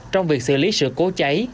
trong việc xử lý sự cố cháy